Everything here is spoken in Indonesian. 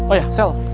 oh ya sel